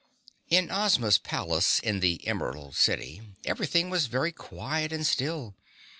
In Ozma's palace in the Emerald City, everything was very quiet and still.